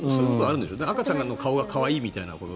だから赤ちゃんの顔が可愛いみたいな。